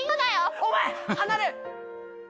お前離れ。